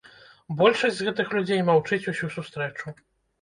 Большасць з гэтых людзей маўчыць усю сустрэчу.